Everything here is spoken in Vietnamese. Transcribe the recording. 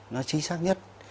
nó chính xác nhất